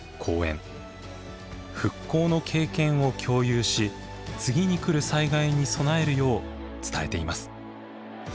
復興の経験を共有し次に来る災害に備えるよう伝えています。